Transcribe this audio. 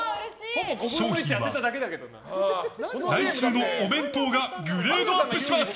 賞品は、来週のお弁当がグレードアップします！